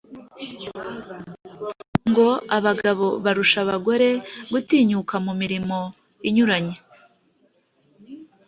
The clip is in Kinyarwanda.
Ngo abagabo barusha abagore gutinyuka mu mirimo inyuranye.